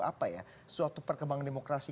apa ya suatu perkembangan demokrasi